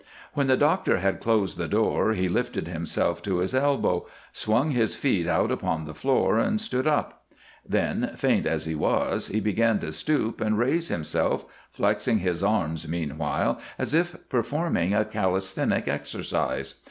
When the doctor had closed the door he lifted himself to his elbow, swung his feet out upon the floor and stood up; then, faint as he was, he began to stoop and raise himself, flexing his arms, meanwhile, as if performing a calisthenic exercise.